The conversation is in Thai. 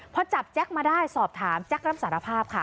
พอจับแจ๊คมาได้สอบถามแจ็ครับสารภาพค่ะ